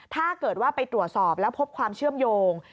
ถ้าเกิดว่าไปตรวจสอบแล้วพบความเชื่อมโยง